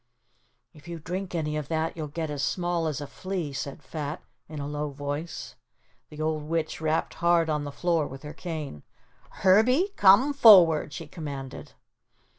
"If you drink any of that you'll get as small as a flea," said Fat in a low voice. The old witch rapped hard on the floor with her cane. "Herbie, come forward," she commanded.